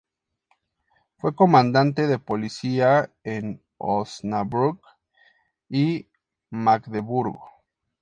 Fue comandante de polícia en Osnabrück y Magdeburgo.